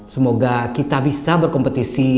semoga kita bisa berkompetisi